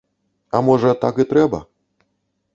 А можа, так і трэба?